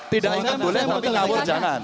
tidak ikut boleh tapi ngawur jangan